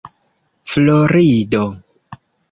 florido